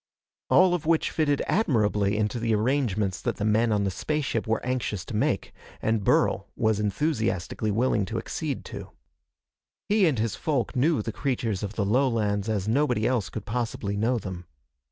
All of which fitted admirably into the arrangements that the men on the spaceship were anxious to make, and Burl was enthusiastically willing to accede to. He and his folk knew the creatures of the lowlands as nobody else could possibly know them.